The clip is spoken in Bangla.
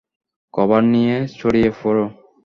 কভার নিয়ে ছড়িয়ে পড়ো!